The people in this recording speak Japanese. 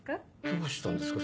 どうしたんですか？